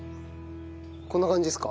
こんな感じですか？